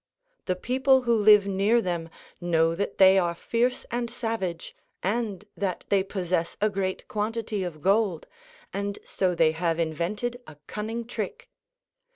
The people who live near them know that they are fierce and savage, and that they possess a great quantity of gold, and so they have invented a cunning trick.